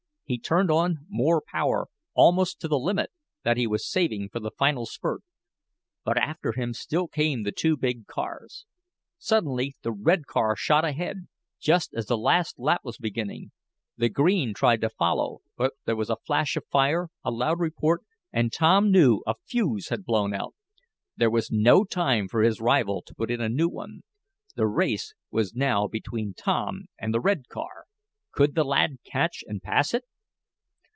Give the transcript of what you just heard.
He turned on more power, almost to the limit that he was saving for the final spurt. But after him still came the two big cars. Suddenly the red car shot ahead, just as the last lap was beginning. The green tried to follow, but there was a flash of fire, a loud report, and Tom knew a fuse had blown out. There was no time for his rival to put in a new one. The race was now between Tom and the red car. Could the lad catch and pass it?